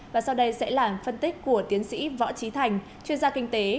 và sau đây sẽ là phân tích của tiến sĩ võ trí thành chuyên gia kinh tế